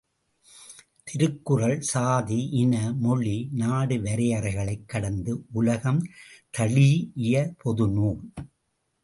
திருக்குறள் சாதி, இன, மொழி, நாடு வரையறைகளைக் கடந்து உலகம் தழீஇய பொதுநூல்.